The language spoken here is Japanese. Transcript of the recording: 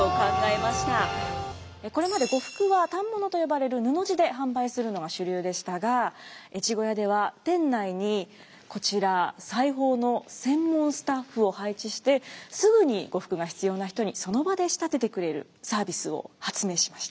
これまで呉服は反物と呼ばれる布地で販売するのが主流でしたが越後屋では店内にこちら裁縫の専門スタッフを配置してすぐに呉服が必要な人にその場で仕立ててくれるサービスを発明しました。